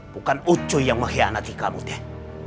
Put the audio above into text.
bukan ocu yang mengkhianati kamu teh